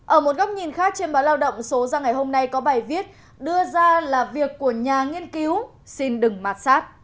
ở một góc nhìn khác trên báo lao động số ra ngày hôm nay có bài viết đưa ra là việc của nhà nghiên cứu xin đừng mạt sát